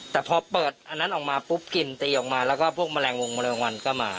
แต่พอเปิดอันนั้นออกมาปุ๊บกลิ่นตีออกมาแล้วก็พวกแมลงวงแมลงวันก็มา